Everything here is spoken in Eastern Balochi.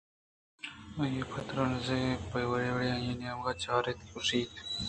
آئی ءَپہ تژن ءُپیگوری وڑےءَ آہانی نیمگ ءَ چار اِت ءُ گوٛشت